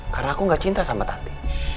karena aku gak cinta sama tanti